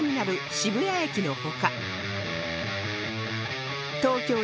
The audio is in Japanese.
渋谷駅の他